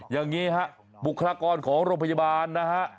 อย่างนี้ฮะบุคลากรของโรงพยาบาลนะฮะ